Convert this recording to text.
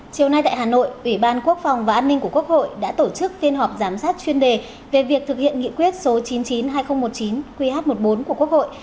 chiều nay tại hà nội ủy ban quốc phòng và an ninh của quốc hội đã tổ chức phiên họp giám sát chuyên đề về việc thực hiện nghị quyết số chín mươi chín hai nghìn một mươi chín qh một mươi bốn của quốc hội